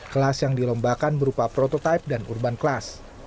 kelas yang dilombakan berupa prototipe dan urban kelas